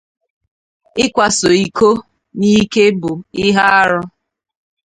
ịkwaso iko n'ike bụ ihe arụ